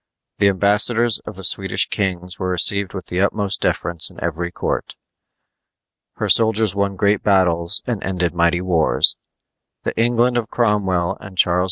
The ambassadors of the Swedish kings were received with the utmost deference in every court. Her soldiers won great battles and ended mighty wars. The England of Cromwell and Charles II.